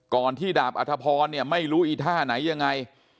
ก่อนที่ดาบอัธพรไม่รู้อีท่าไหนยังไง